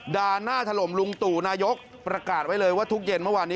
หน้าถล่มลุงตู่นายกประกาศไว้เลยว่าทุกเย็นเมื่อวานนี้